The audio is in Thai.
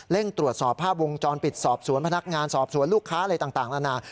ตรวจสอบภาพวงจรปิดสอบสวนพนักงานสอบสวนลูกค้าอะไรต่างนานา